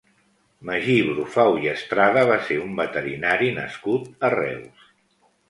Magí Brufau i Estrada va ser un veterinari nascut a Reus.